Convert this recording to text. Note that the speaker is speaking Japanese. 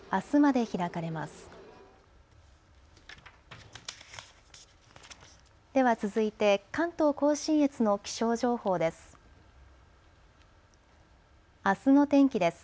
では続いて関東甲信越の気象情報です。